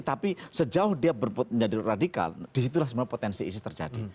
tapi sejauh dia menjadi radikal disitulah sebenarnya potensi isis terjadi